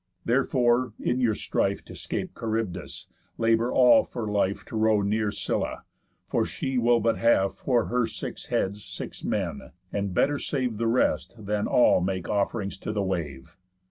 Therefore, in your strife To 'scape Charybdis, labour all for life To row near Scylla, for she will but have For her six heads six men; and better save The rest, than all make off'rings to the wave.